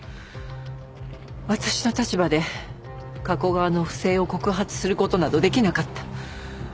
私の立場で加古川の不正を告発する事など出来なかった。